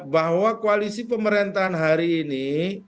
bahwa koalisi pemerintahan hari ini